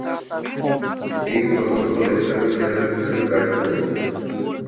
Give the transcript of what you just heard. এই তদন্ত lieutenant general হিসাবে ব্যর্থ হয়েছে।